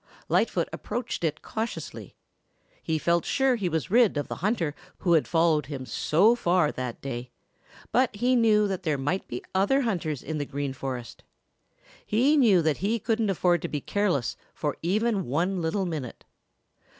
Lightfoot approached it cautiously. He felt sure he was rid of the hunter who had followed him so far that day, but he knew that there might be other hunters in the Green Forest. He knew that he couldn't afford to be careless for even one little minute.